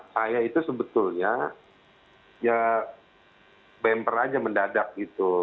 saya itu sebetulnya ya bemper aja mendadak gitu